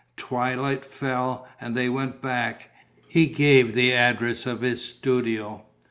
Twilight fell; and they went back. He gave the address of his studio.